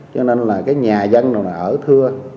cho nên là cái nhà dân nào là ở thưa